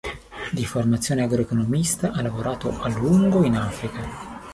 Di formazione agro-economista, ha lavorato a lungo in Africa.